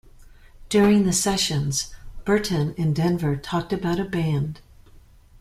During the sessions, Burton and Denver talked about a band.